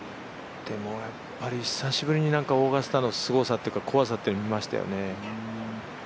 でもやっぱり久しぶりにオーガスタの怖さというのを見ましたよね。